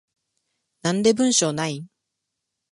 なんで文章ないん？